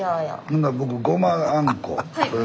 ほな僕ごまあんこ。